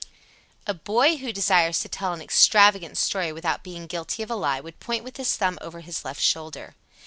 68. A boy who desires to tell an extravagant story without being guilty of a lie would point with his thumb over his left shoulder.